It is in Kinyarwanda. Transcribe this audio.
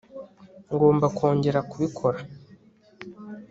ngomba kongera kubikora